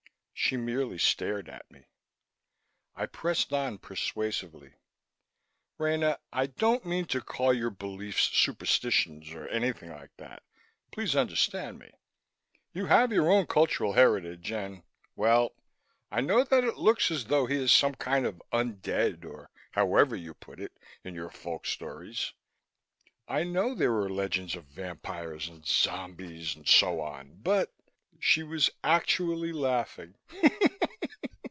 She merely stared at me. I pressed on persuasively: "Rena, I don't mean to call your beliefs superstitions or anything like that. Please understand me. You have your own cultural heritage and well, I know that it looks as though he is some kind of 'undead,' or however you put it, in your folk stories. I know there are legends of vampires and zombies and so on, but " She was actually laughing.